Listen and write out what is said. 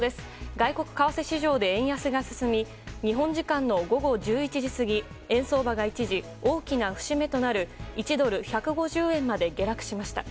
外国為替市場で円安が進み日本時間の午後１１時過ぎ円相場が、一時大きな節目となる１ドル＝１５０円まで下落しました。